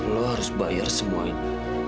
lo harus bayar semua ini